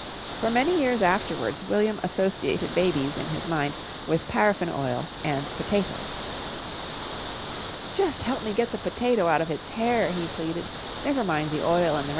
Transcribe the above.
For many years afterwards William associated babies in his mind with paraffin oil and potato. "Just help me get the potato out of its hair," he pleaded; "never mind the oil and the rest of it."